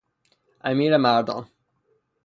امیرمردان